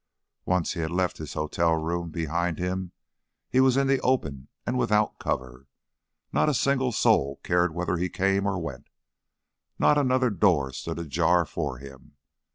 Once he had left his hotel room behind him he was in the open and without cover. Not a single soul cared whether he came or went, not another door stood ajar for him.